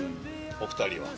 お二人は。